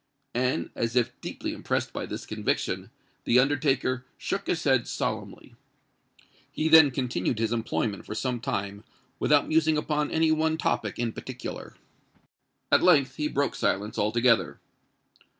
And, as if deeply impressed by this conviction, the undertaker shook his head solemnly. He then continued his employment for some time without musing upon any one topic in particular. At length he broke silence altogether.